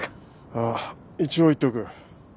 ああ一応言っておく。